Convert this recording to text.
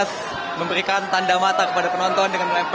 teman guys berikan tanda mata kepada penonton dengan more than